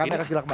ini gak hasilnya